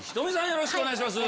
よろしくお願いします。